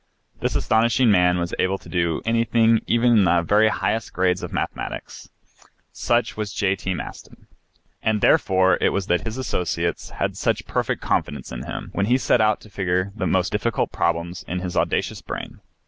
This astonishing man was able to do anything even in the very highest grades of mathematics. Such was J. T. Maston. And therefore it was that his associates had such perfect confidence in him when he set out to figure the most difficult problems in his audacious brain.